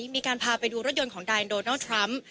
มีการพาไปดูรถยนต์ของนายโดนัลด์ทรัมป์